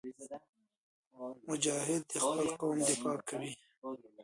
مجاهد د خپل قوم دفاع کوي.